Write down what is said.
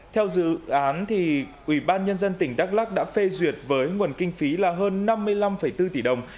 theo dự án ủy ban nhân dân tỉnh đắk lắc đã phê duyệt với nguồn kinh phí là hơn năm mươi năm bốn tỷ đồng